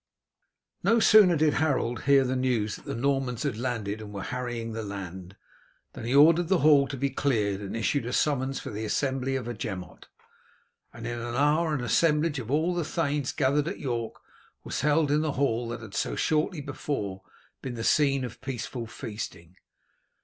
No sooner did Harold hear the news that the Normans had landed and were harrying the land than he ordered the hall to be cleared and issued a summons for the assembly of a Gemot, and in an hour an assemblage of all the thanes gathered at York was held in the hall that had so shortly before been the scene of peaceful feasting.